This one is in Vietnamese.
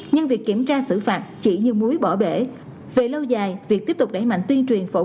nhưng việc kiểm tra xử phạt chỉ như muối bỏ bể về lâu dài việc tiếp tục đẩy mạnh tuyên truyền phổ